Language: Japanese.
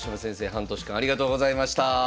半年間ありがとうございました。